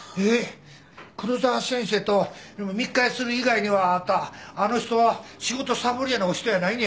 黒沢先生と密会する以外にはあんたあの人は仕事サボるようなお人やないねや。